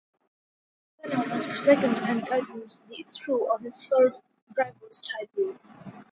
Senna was second and tightened the screw on his third drivers title.